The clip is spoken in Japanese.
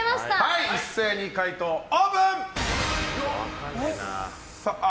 一斉に解答をオープン！